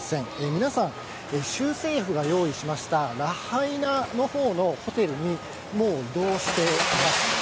皆さん、州政府が用意しましたラハイナのほうのホテルに、もう移動しています。